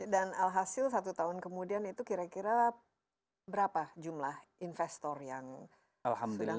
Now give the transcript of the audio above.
dan alhasil satu tahun kemudian itu kira kira berapa jumlah investor yang sudah mulai melirik